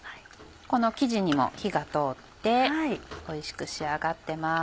この生地にも火が通っておいしく仕上がってます。